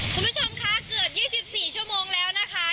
คุณผู้ชมคะเกือบ๒๔ชั่วโมงแล้วนะคะ